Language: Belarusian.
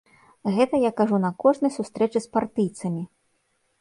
Гэта я кажу на кожнай сустрэчы з партыйцамі.